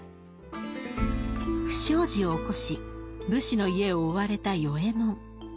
不祥事を起こし武士の家を追われた与右衛門。